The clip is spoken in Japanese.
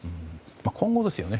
今後ですよね。